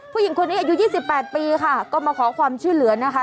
ผู้หญิงคนนี้อายุ๒๘ปีค่ะก็มาขอความช่วยเหลือนะคะ